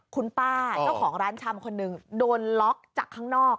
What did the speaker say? คุณป้าเจ้าของร้านชำคนหนึ่งโดนล็อกจากข้างนอก